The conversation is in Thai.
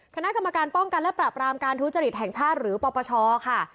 คณะกรรมการป้องกันและปราบรามการทุจริตแห่งชาติหรือปปชค่ะ